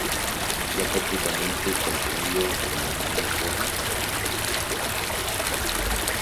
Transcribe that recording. Ya prácticamente contenido el movimiento debió exiliarse.